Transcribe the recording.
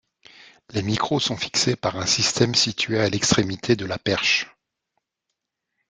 Les micros sont fixés par un système situé à l'extrémité de la perche.